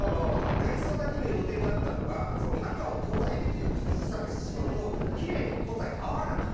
内装だけの予定だったのが中を古材にして古くさくしてしまうと「キレイ」と古材が合わなくて。